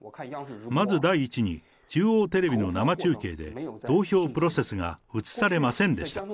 まず第一に、中央テレビの生中継で投票プロセスが写されませんでした。